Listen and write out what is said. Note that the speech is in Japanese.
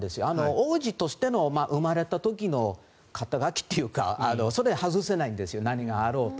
王子としての生まれた時の肩書というかそれは外せないんです何があろうと。